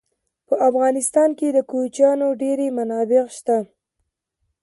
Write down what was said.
په افغانستان کې د کوچیانو ډېرې منابع شته.